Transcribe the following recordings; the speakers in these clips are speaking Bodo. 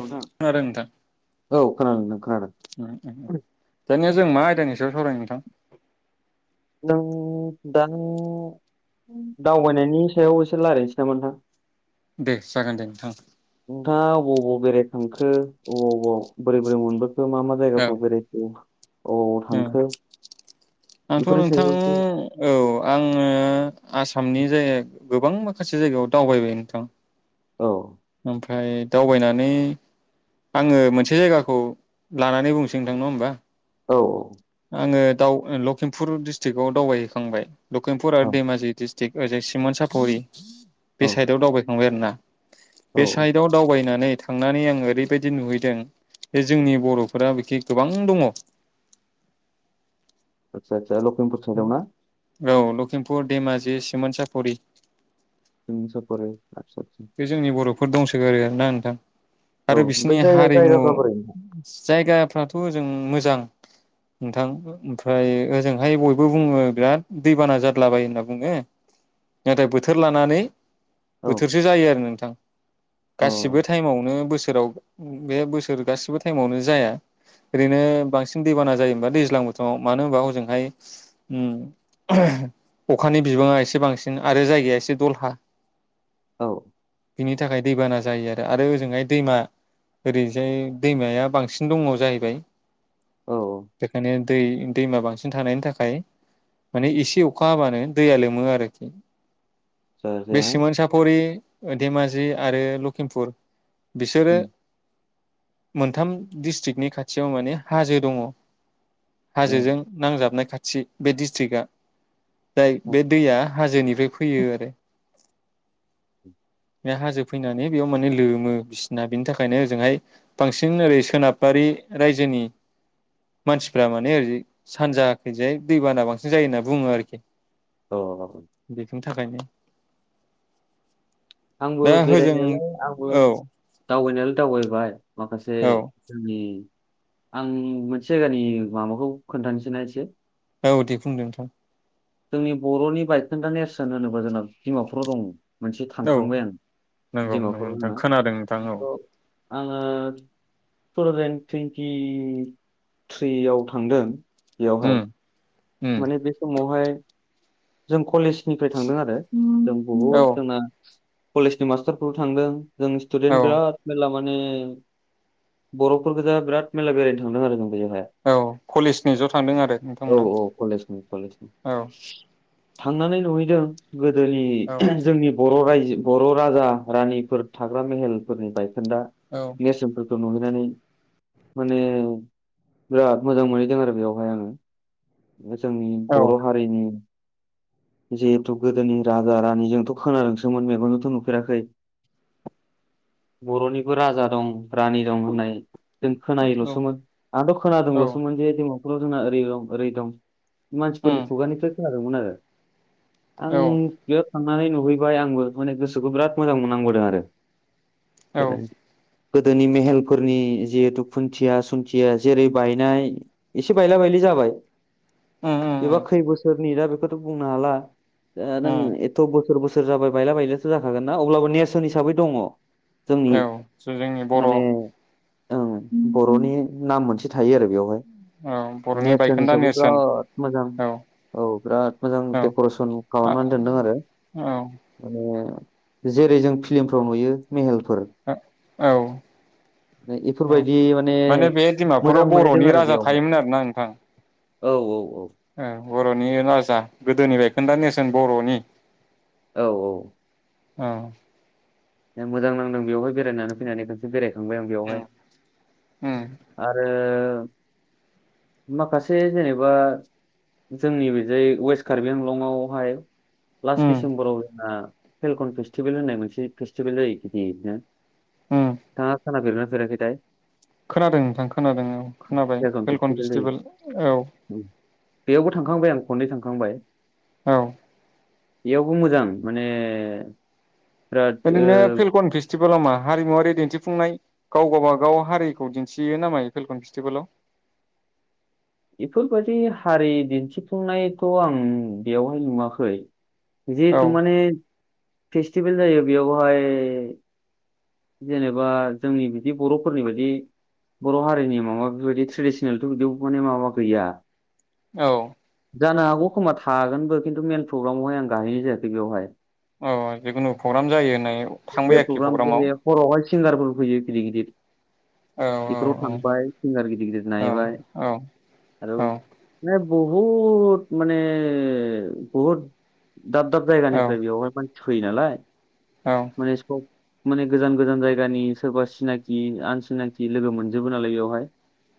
औ थां खोनादों नोंथां औ खोनादों नों खोनादों [unintelligible] दानिया जों मा दा सायाव सावरायनो नोंथां नों दा दावबायनायनि सायाव एसे रालायनोसै नामा नोंथां? दे जागोन दे नोंथां। नोंथाङा अबाव अबाव बेरायखांखो अबाव अबाव बोरै बोरै मोनबोख मा मा औ जायगाफोराव बेरायखो? अबाव अबाव उम थांखो आंथ' बेफोरनि नोंथां सायाव एसे औ आङो आसामनि जाय गोबां माखासे जायगायाव दावबायबाय नोंथां औ ओमफ्राय दावबायनानै आङो मोनसे जायगाखौ लानानै बुंसै नोंथां नङा होमबा? औ औ आङो दाव लखिमपुर डिस्ट्रिकआव दावबायहैखांबाय। लखिमपुर औ आरो धेमाजि डिस थिक ओजै सिमनसाफुरि औ बे साइदाव दावबायखांबाय आरोना। औ बे साइडआव दावबायनानै थांनानै आं ओरैबायदि नुहैदों जे जोंनि बर'फोरा बिखि गोबां दङ। आच्छा जा लखिमपुर साइदआव ना? [unintelligible] खिमपुर धेमाजि सिमोनसापुरि। सिमानसापरि बे जोंनि बर'फोर दंसोगारो आरो ना नोंथां। औ आरो बिसनि ओमफ्राय जायगा हारिमु जायगाफ्रा बोरै जायगाफ्राथ' जों मोजां। नोंथां ओमफ्राय ओजोंहाय बयबो बुङो बिराद दैबाना जादलाबायो होनना बुङो नाथाय बोथोर लानानै औ बोथोर। जायो आरो नोंथां। औ गासिबो टाइमावनो बोसोराव। बे बोसोर गासिबो टाइमावनो जाया ओरैनो बांसिन दैबाना जायोबा दैज्लां बोथोराव मानो होनबा हजोंहाय अखानि बिबाङा एसे बांसिन आरो जायगाया एसे दलहा। औ। बिनि थाखाय दैबाना जायो आरो आरो ओजोंहाय दैमा ओरैजाय दैमाया बांसिन दङ जाहैबाय औ बेखायनो दै दैमा बांसिन थानायनि थाखाय माने एसे अखा हाबानो दैया लोमो आरो। जाया बे जाया सिमोनसाफुरि। धेमाजि आरो लखिमपुर। बिसोरो। उम मोनथाम डिस्ट्रिक्टनि खाथियाव माने हाजो दङ। उम हाजोजों नांजाबनाय खाथि। थि बे डिस्ट्रिक्टआ। जाय बे दैया हाजोनिफ्राय फैयो आरो। [inaudible] बे हाजो फैनानै बेयाव माने लोमो बिसिना बिनि थाखायनो ओजोंहाय बांसिन ओरै सोनाबारि रायजोनि मानसिफ्रा माने ओरै सानजायाखैजाय दैबाना बांसिन जायो होनना बुङो आरोखि। अ बिनि थाखायनो। आंबो दा होजों बेरायनायालाय आंबो। औ दावबायनाया लाय दावबायबाय। माखासे औ जोंनि। आं मोनसे जायगानि माबाखौ खोन्थानिसै ना एसे। औ दे बुंदो नोंथां। जोंनि बर'नि बायखोनदा नेरसोन होनोबा जोंना डिमापुराव दङ। मोनसे औ थांखांबाय आं नंगौ नंगौ दिमाफुराव दोङो नोंथां ना। खोनादों नोंथां औ आङो तुथावजेन तुइनटि थ्रि आव थांदों इयावहाय। उम उम माने बे सम। महाय। जों कलेजनिफ्राय थांदों आरो। अम औ बहुत जोंना। कलेजनि मास्टारफोरबो थांदों। जों औ सटुदेन बिराद मेरला मा नि बर'फोर गोजा बिराद मेला बेरायनो थांदों आरो जों बेयाव औ कलेजनि ज'थांदों आरो औ औ कलेजनि कलेजनि नोंथांमोनहा औ। थांनानै नुहैदों। गोदोनि औ जोंनि बर रायजो बर'राजा रानिफोर थाग्रा मेहेलफोरनिफ्राय दा औ बियो सिमपोल नुहैनानै माने बिराद मोजां मोनहैदों आरो बेयावहाय आङो जोंनि औ बर हारिनि जिहेथु गोदोनि राजा रानिजोंथ खोनादोंसोमोन मेगनजोंथ नुफेराखै बर'निबो राजा दं रानि दं होननाय जों खोनायोलसोमोन आंथ औ खोनादोंलसोमोन जे दङ खुनु जोङा ओरै दं ओरै दं मानसिफोरनि उम खुगानिफ्राय खोना- [unintelligible] औ आं थांनानै नुहैबाय आंबो माने गोसोखौ बिराद मोजां मो-नांबोदों आरो [inaudible] औ उम गोदोनि मेहेलफोरनि जिहेतु खुन्थिया सुन्थिया जेरै बायनाय एसे बायला बायलि जाबाय उम एबा उम खै बोसोरनि दा बेफोर खौथ बुंनो हाला नों उम एथ बोसोर बसोर बोसोर जाबाय बायला बायलाथ जाखागोन ना अब्लाबो नेरसोन हिसाबै दङ जोंनि औ जों जोंनि बर माने ओं बरनि नाम मोनसे थायो आरो बेयावहाय बर'नि नेरसोन बायखोन्दा हिसाबै नेरसोन बिराद मोजां औ औ बिराद मोजां औ डेकरेसन आ खालामनानै दोनदों आरो औ जेरै जों फिलिमफ्राव नुयो मेहेलफोर औ औ माने बे मोजां डिमापुराव मोनहैदों बरनि आरो राजा बेयावहाय थायोमोन आरो ना नोंथां औ औ औ ओ बरनि राजा गोदोनि बायखोनदा नेरसोन बरनि औ औ औ दे मोजां नांदों बेवहाय बेरायनानै फैनानै खनसे बेरायखांबाय आं उम बेयावहाय आरो माखासे जेनेबा जोंनि बेजाय वेस्ट कार्बि आंलंआवहाय लास्ट उम डिसेम्बराव जोंना फेलकन फेस्टिभेल होननाय मोनसे फेस्टिभेल जायो गिदिर नो उम नोंथाङा खोना फेरदों ना फेराखै थाय खोनादों नोंथां खोनादों औ खोनाबाय फेलकन भेलकन जायो फेस्टिभेल औ उम। बेयावबो थांखांबाय आं खननै थांखांबाय। औ बेयावबो मोजां माने बिराद ओरैनो ओ, फिलकन फेस्टि रमा हारिमुवारि दिन्थिफुंनाय गाव गावबागाव हारिखौ दिन्थियो नामा फेलकन फेस्टिभेलाव? बेफोरबायदि हारि दिन्थिफुंनायथ' आं बेवहाय नुवाखै। औ जितु माने फेस्टिभेल जायो बेयावहाय जेनेबा जोंनि बिदि बर'फोरनि बायदि बर' हारिनि माबा बेबायदि ट्रेडिसनेलथ' बिदि माने माबा गैया औ जानो हागौ खोमा थागोनबो खिन्थु मेन प्रग्रामावहाय आं गाहैनाय जायाखै बेवहाय। अ जिखुनु फग्राम जायो होननाय जायखिया थांबाय आरोखि प्रग्राम फग्रामाव जे हरावहाय सिंगारफोर फैयो गिदिर-गिदिर। औ बेफोराव थांबाय सिंगार गिदिर-गिदिर औ नायबाय औ आरो माने बहुत माने बहुत दाब-दाब औ जायगानिफ्राय बेयावहाय मान थैयो नालाय औ माने [unintelligible] माने गोजान-गोजान जायगानि सोरबा सिनाखि आनसिनाखि लोगो मोनजोबो नालाय बेवहाय।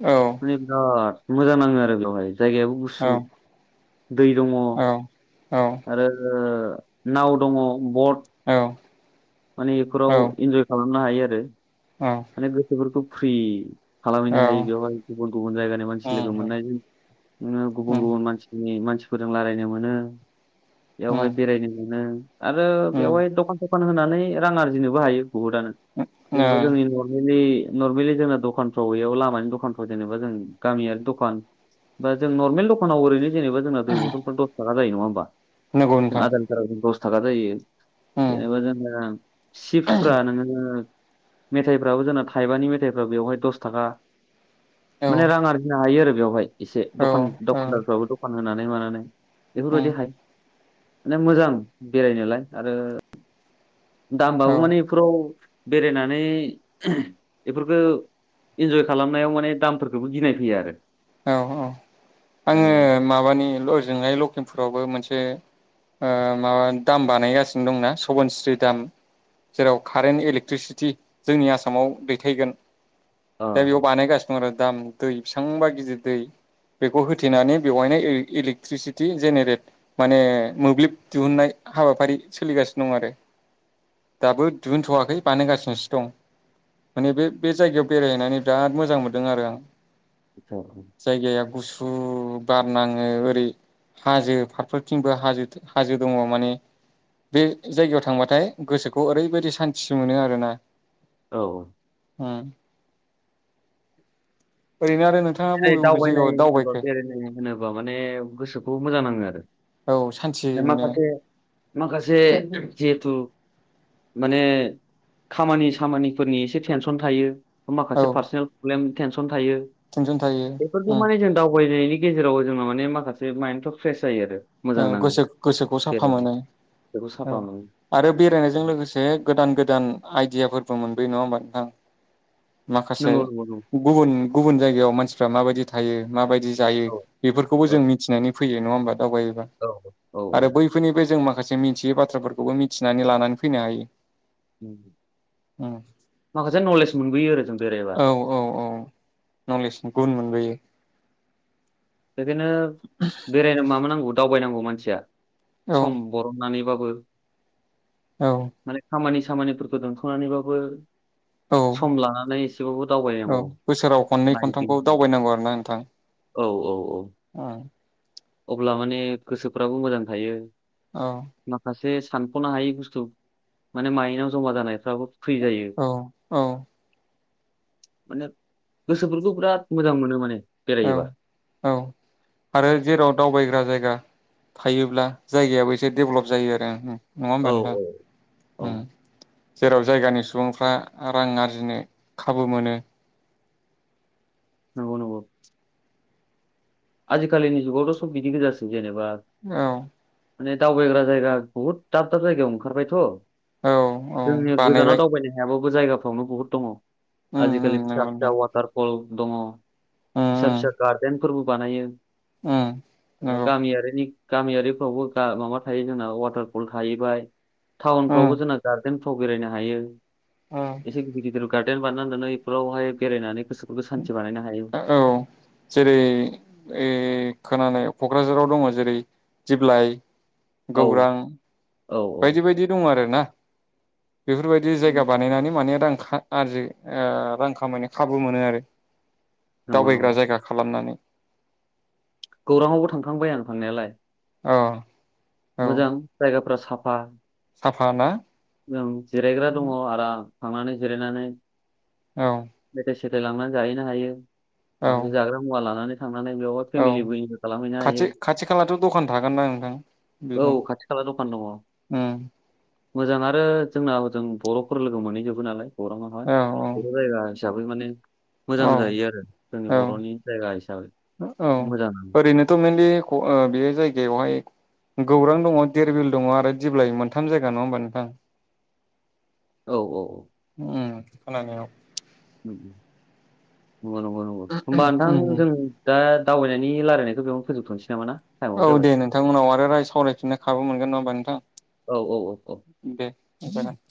औ औ माने बेराद मोजां नाङो आरो बेयावहाय जायगायाबो गुसु औ दै दङ आरो नाव दङ बट औ माने एफोराव इन्जय खालाम ना हायो आरो औ माने गोसोफोरखौ फ्रि खालामहैनो हायो औ बेवहाय गुबुन-गुबुन जायगानि मानसि उम लोगो मोननायजों नो उम गुबुन-गुबुन मानसिनि मानसि फोरजों लारायनो मोनो। बेयावहाय उम बेरायनो मोनो। आरो उम बेवहाय दखान खान होनानै रां आरजिनोबो हायो बुहुदानो ओ जेनेबा जोंनि नरमेलि नरमेलि जोङो दखानफ्राव बेयाव लामानि दखानफ्राव जेनेबा जों गामियारि दखान बा जों नरमेल दखानाव ओरैनो जेनेबा जोंना दै बथल फोरा दसथाखा जायो नङा होमबा नंगौ नोंथां आधालितारावनो दस थागा जायो उम जेनेबा जोंनो सिफफ्रा नोङो मेथायफ्राबो जोंना थायबानि मेथाइफ्रा बेवहाय दस थाखा औ माने रां आरजिनो हायो आरो बेयाव वाय एसे औ दखान दखानदारफ्राबो दखान होननानै मानानै उम बेफोरबायदिहाय माने मोजां बेरायनोलाय आरो औ दामाबो माने बेफोराव बेरायनानै बेफोरखौ इन्जय खालामनायाव माने दामफोरखौबो गिनाय फैयो आरो औ औ आङो माने माबानि ओजोंहाय लखिमपुरावबो मोनसे ओ माबा दाम बानायगासिनो दंना सबनस्रि दाम जेराव कारेन्ट इलेक्ट्रिसिटि जोंनि आसामाव दैथायगोन अ दा बेयाव आदसा बानाय गासिनो आरो दाम दै बेसेबांबा गिदिर दै बेखौ होथेनानै बेवहायनो इलेक्ट्रिसिटि जेनेरेट माने मोब्लिब दिहुनन्नाय हाबाफारि सोलिगासिनो दं आरो दाबो दिहुनथ'वाखै बानायोगासिनोसो दं माने बे बे जायगायाव बेरायहैनानै बिराद मोजां मोनदों आरो आं अ जायगाया गुसु बारनाङो ओरै हाजो फारफोरथिंबो हाजो हाजो दङ माने बे जायगायाव थांबाथाय गोसोखौ ओरैबायदि सान्थि मोनो आरोना औ ओ ओरैनो आरो नों जेरै दावबायनाय होनोबा बेरायनाय होनोबा माने गोसोखौ मोजां नाङो आरो औ सान्थि मोनो माखासे माखासे जिहेथु माने खामानि सामानिफोरनि एसे टेनसन थायो औ माखासे पार्सनेल प्रब्लेम थेनसन थायो टेनसन थायो बेफोरखौ उम माने जों दाबायनायनि गेजेराव जों माने माखासे माइन्दनथ'फ्रा फ्रेस जायो आरो औ मोजां नाङो गोसो गोसोखौ साफा बेरायनो मोनो बेखौ औ साफा मोनो आरो बेरायनायजों लोगोसे गोदान गोदान आइदियाफोर मोनबोयो नङा होमबा नोंथां माखासे नंगौ नंगौ नंगौ गुबुन गुबुन जायगायाव मानसि रा माबायदि थायो माबायदि बिदि जायो औ बेफोरखौबो औ जों मिथिनानै फैयो नङा होंनबा दावबाय औ औ आरो बैफोरनि बे जों माखा माखासे मिथियै बाथ्राफोरखौबो मिथिनानै लानानै फैनो हायो उम माखासे नलेज मोनबोयो आरो जों बे औ औ औ नलेजनि गुन मोनबोयो बिदिनो बेरायनो मा मा नांगौ दावबायनांगौ मानसिया औ सम बरननानैबाबो औ [unintelligible] माने खामानि खामानिफोरखौ दोनथ'नानैबाबो औ सम लानानै एसेबाबो औ दावबायनांगौ बोसोराव खननै खनथामखौ नायदिंनांगौ दावबायनांगौ आरो ना नोंथां औ औ औ अ अब्ला माने गोसोफ्राबो मोजां थायो। औ से सानफ'नो हायै बुस्थु माने माइनाव जमा जानायफ्राबो फ्रि जायो औ औ माने गोसोफोरखौ बिराद मोजां मोनो माने बेरायोबा औ औ आरो जेराव दावबायग्रा जायगा थायोब्ला जायगायाबो एसे डेभलप जायो आरो नङा होमबा औ नोंथां औ औ ओम जेराव जायगानि सुबुंफ्रा रां आर्जिनो खाबु मोनो। नंगौ नंगौ आजिकालिनि जुगावथ' सब बिदि गोजासो जेनेबा औ माने दावबायग्रा जायगा बहुद दाब दाब जायगायाव ओंखारबायथ' औ औ जोंनि गोजानाव बानायबाय दावबायनो हायाबो जायगाफ्रावनो बहुद दङ। उम उम आजिखालि फिसा नंगौ फिसा नोंथां वाटारफल दङ। उम फिसा उम फिसा गारदेन फोरबो बानायो। उम एबा नंगौ गामियारिनि गामियारिफ्रावबो गा माबा थायो जोंना वाटारफल थाहैबाय। उम टाउनफ्रावबो जोंना गार्देन थ' बेरायनो हायो उम एसे गिदिर द्रायाव गार्देन बानानानै दोनै बेफोरावहाय बेरायनानै गोसोफोरखौ सान्थि बानायनो हायो ओ औ जेरै ए खोनानाय क'क्राझाराव दङ' जेरै दिप्लाइ औ गौरां औ औ बायदि बायदि दङ' आरो ना बेफोरबायदि जायगा बानायनानै माने रां खा आरजि ओ रां खामायनो खाबु मोनो आरो नंगौ नंगौ दावबायग्रा जायगा खालामनानै गौराङावबो थांखांबाय आं थांनायालाय। अ। मोजां जायगाफोरा स साफा - साफाना? औ जिरायग्रा दङ' आराम। थांनानै जिरायनानै औ बेदेस फिथाइ लांनानै जाहैनो हायो औ बाखै जाग्रा मुवा लानानै माने बेयावहाय औ फेमिलिबो इनजय खालामहैनो खाथि हायो खाथि खालाथ' दखान थागोन ना नोंथां औ बेनो खाथि खाला द'खान दङ। उम मोजां आरो जोंना ओजों बर'फोर लोगो मोनहैजोबो नालाय गौराङावहाय औ औ। बर' जायगा हिसाबै माने मोजां औ जायो आरो जोंनि औ बर'नि जायगा हिसाबै औ मोजाङानो। ओरैनोथ' मेनलि बे जायगायावहाय गौरां दङ', दिरबिल दङ' आरो दिेब्लाय मोनथाम जायगा नङा होमबा नोंथां? औ औ औ। उम खोनानायाव [unintelligible] नंगौ नंगौ नंगौ होमबा उम नोंथां जों दा दावबायनायनि रायलायनायखौ बेयावनो फोजोबथ'नोसै नामा ना? टाइमाबो औ जाबाय दे नोंथां उनाव आरो राय सावरायफिननो खाबु मोनगोन नङा होमबा औ औ औ औ नोंथां दे जागोन।